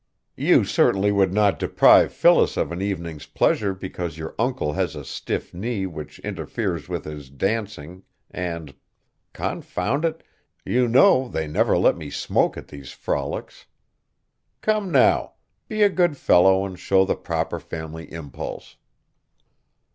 You certainly would not deprive Phyllis of an evening's pleasure because your uncle has a stiff knee which interferes with his dancing, and confound it, you know they never let me smoke at these frolics. Come now, be a good fellow and show the proper family impulse."